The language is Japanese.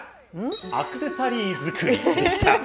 アクセサリー作りでした。